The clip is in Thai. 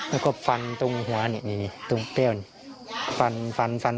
แล้วก็ฟันตรงหัวนี่ตรงแป๊วนี่